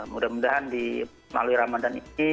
mudah mudahan di melalui ramadan ini